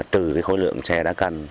trừ khối lượng xe đã cân